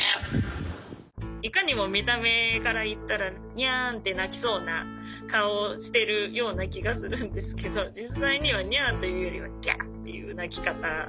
いかにも見た目から言ったらニャンって泣きそうな顔をしてるような気がするんですけど実際には「ニャ」というよりは「ギャア！」っていう鳴き方で。